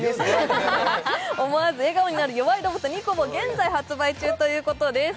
思わず笑顔になる弱いロボット、ＮＩＣＯＢＯ、現在、発売中ということです。